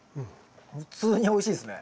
普通においしいですね。